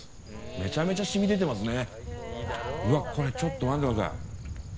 めちゃめちゃ染み出てますね。